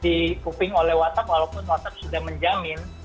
dikuping oleh whatsapp walaupun whatsapp sudah menjamin